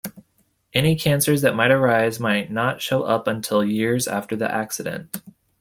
Any cancers that might arise might not show up until years after the accident.